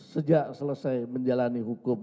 sejak selesai menjalani hukum